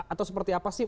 atau seperti apa sih